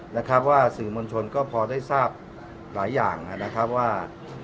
นะครับว่าสื่อมวลชนก็พอได้ทราบหลายอย่างนะครับว่า